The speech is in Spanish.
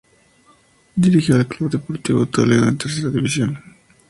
Dirigió al Club Deportivo Toledo en tercera división.